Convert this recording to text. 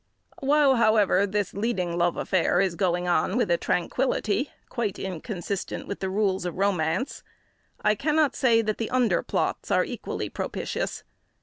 While, however, this leading love affair is going on with a tranquillity quite inconsistent with the rules of romance, I cannot say that the under plots are equally propitious.